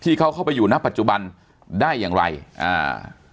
ที่เขาเข้าไปอยู่นะปัจจุบันได้อย่างไรอ่า